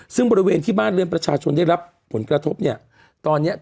ซึ่งบริเวณที่บ้านเรือนประชาชนได้รับผลกระทบเนี่ยตอนเนี้ย